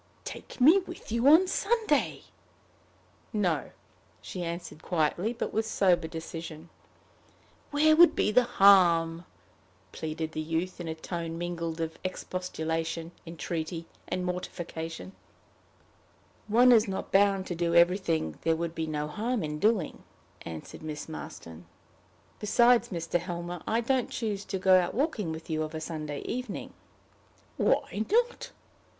"Take me with you on Sunday?" "No," she answered quietly, but with sober decision. "Where would be the harm?" pleaded the youth, in a tone mingled of expostulation, entreaty, and mortification. "One is not bound to do everything there would be no harm in doing," answered Miss Marston. "Besides, Mr. Helmer, I don't choose to go out walking with you of a Sunday evening." "Why not?"